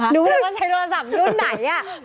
รู้เลยว่าใช้โทรศัพท์รุ่นไหน